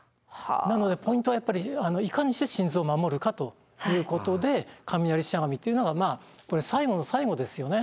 なのでポイントはやっぱりいかにして心臓を守るかということで雷しゃがみというのがまあこれ最後の最後ですよね。